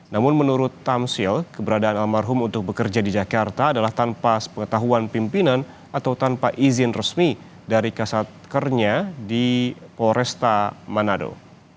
namun menurut tamsil keberadaan almarhum untuk bekerja di jakarta adalah tanpa pengetahuan pimpinan atau tanpa izin resmi dari kasatkernya di polresta manado